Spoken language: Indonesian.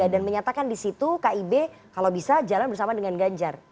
dan menyatakan di situ kib kalau bisa jalan bersama dengan ganjar